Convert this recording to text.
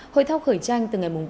hội thao khởi tranh từ ngày bốn